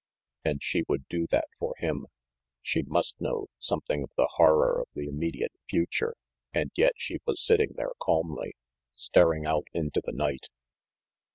And she would do that for him. She must know something of the horror of the immediate future, and yet she was sitting there calmly, staring out into the night.